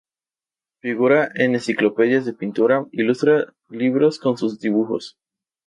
Figura en enciclopedias de pintura, ilustra libros con sus dibujos.